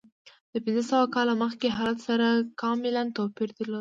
د پنځه سوه کاله مخکې حالت سره کاملا توپیر درلود.